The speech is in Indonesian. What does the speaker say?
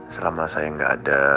selama saya gak ada